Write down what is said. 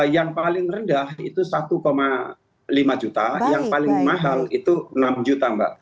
yang paling rendah itu satu lima juta yang paling mahal itu enam juta mbak